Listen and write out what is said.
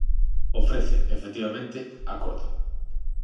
Ofrece, efectivamente, acordo.